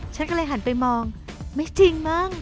ฉันก็เลยหันไปมองไม่จริงมั้ง